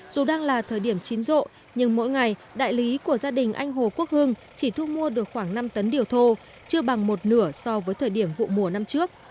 dù đang là thời điểm chín rộ nhưng mỗi ngày đại lý của gia đình anh hồ quốc hương chỉ thu mua được khoảng năm tấn điều thô chưa bằng một nửa so với thời điểm vụ mùa năm trước